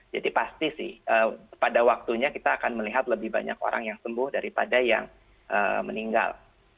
jadi pasti sih pada waktunya kita akan melihat lebih banyak orang yang sembuh daripada yang meninggal